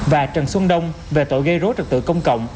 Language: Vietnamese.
và trần xuân đông về tội gây rối trật tự công cộng